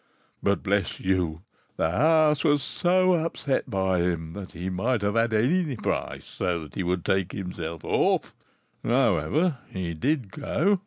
But, bless you, the house was so upset by him that he might have had any price so he would but take himself off; however, he did go.